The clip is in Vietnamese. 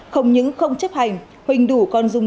không những không chấp hành huỳnh đủ còn dùng